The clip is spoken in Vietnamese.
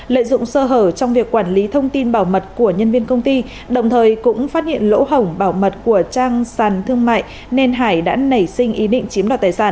lợi dụng sơ hở trong việc quản lý thông tin bảo mật của nhân viên công ty đồng thời cũng phát hiện lỗ hỏng bảo mật của trang sàn thương mại nên hải đã nảy sinh ý định chiếm đoạt tài sản